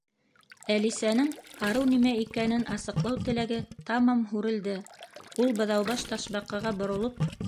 Әлисәнең «Арыу» нимә икәнен асыҡлау теләге тамам һүрелде, ул Быҙаубаш Ташбаҡаға боролоп: